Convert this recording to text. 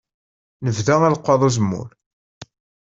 Nebda alqaḍ n uzemmur.